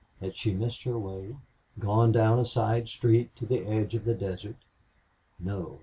Had she missed her way gone down a side street to the edge of the desert? No.